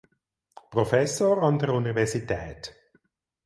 Professor an der Universität.